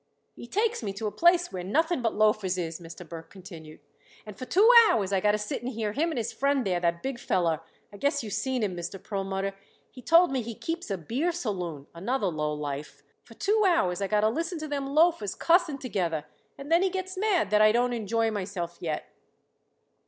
"He takes me to a place where nothing but loafers is," Mr. Burke continued, "and for two hours I got to sit and hear him and his friend there, that big feller I guess you seen him, Mr. Perlmutter he told me he keeps a beer saloon another lowlife for two hours I got to listen to them loafers cussing together, and then he gets mad that I don't enjoy myself yet."